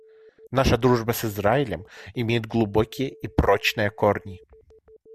Наша дружба с Израилем имеет глубокие и прочные корни.